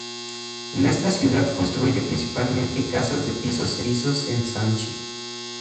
En esta ciudad construye principalmente casas de pisos en el Ensanche.